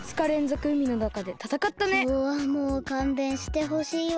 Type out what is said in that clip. きょうはもうかんべんしてほしいわ。